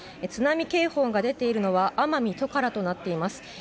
津波警報が出ているのは奄美トカラとなっています。